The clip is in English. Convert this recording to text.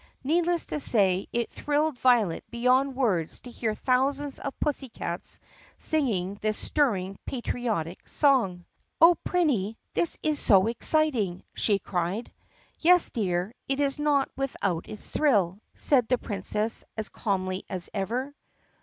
Needless to say, it thrilled Violet beyond words to hear thousands of pussycats singing this stirring patriotic song. THE PUSSYCAT PRINCESS 94 "Oh, Prinny, this is so exciting!" she cried. "Yes, dear, it is not without its thrill," said the Princess as calmly as ever.